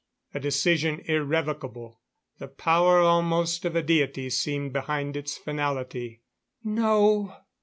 A decision irrevocable; the power almost of a deity seemed behind its finality. "No!